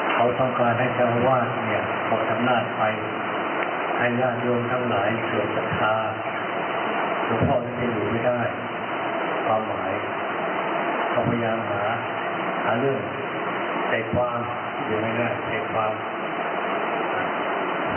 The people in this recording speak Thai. เขาต้องการให้เจ้าวาดบอกตำนานไป